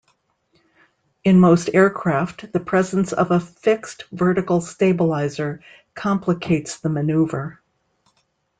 In most aircraft, the presence of a fixed vertical stabilizer complicates the maneuver.